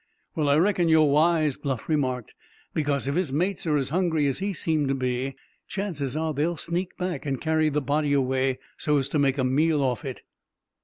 "Well, I reckon you're wise," Bluff remarked, "because if his mates are as hungry as he seemed to be, chances are they'll sneak back and carry the body away, so's to make a meal off it."